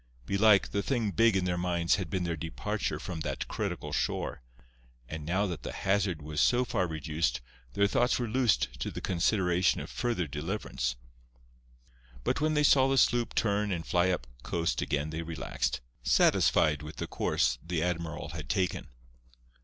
Belike, the thing big in their minds had been their departure from that critical shore; and now that the hazard was so far reduced their thoughts were loosed to the consideration of further deliverance. But when they saw the sloop turn and fly up coast again they relaxed, satisfied with the course the admiral had taken.